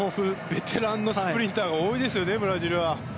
ベテランのスプリンターが多いですよね、ブラジルは。